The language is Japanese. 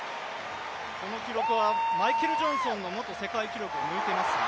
この記録はマイケル・ジョンソンの元世界記録を抜いていますね。